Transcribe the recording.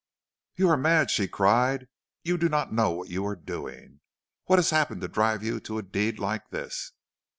"'You are mad,' she cried. 'You do not know what you are doing. What has happened to drive you to a deed like this?